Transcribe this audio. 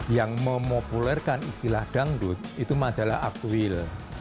yang memopulerkan istilah dangdut itu majalah aktuil